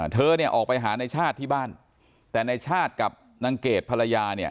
เธอออกไปหาในชาติที่บ้านแต่ในชาติกับนางเกดภรรยา